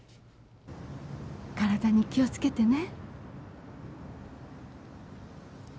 体に気を付けてね